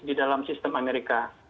di dalam sistem amerika